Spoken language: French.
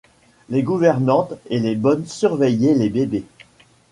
Les gouvernantes et les bonnes surveillaient les bébés.